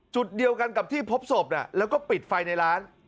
จุดเดียวกันกับที่พบศพแล้วก็ปิดไฟในร้าน